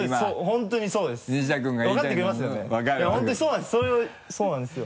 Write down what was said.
本当にそうなんです！